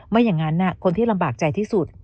ไม่อย่างนั้นคนที่ลำบากใจที่สุด